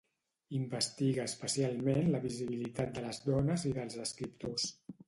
Investiga especialment la visibilitat de les dones i dels escriptors.